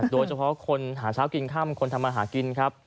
โดยเฉพาะคนหาเช้ากินค่ำคนทำมาหากินครับ